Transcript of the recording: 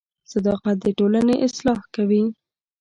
• صداقت د ټولنې اصلاح کوي.